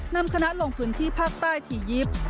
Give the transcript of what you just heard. นำคณะลงพื้นที่ภาคใต้ถี่ยิปต์